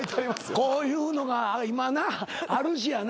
こういうのが今あるしやな動かな